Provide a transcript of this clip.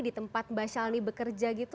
di tempat mbak shelni bekerja gitu